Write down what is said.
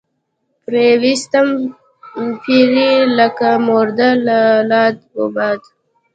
پرې ويستم پيرۍ لکه مرده لۀ لاد وباده